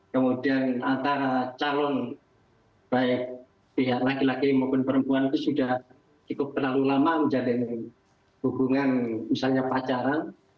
kemudian antara calon baik pihak laki laki maupun perempuan itu sudah cukup terlalu lama menjalin hubungan misalnya pacaran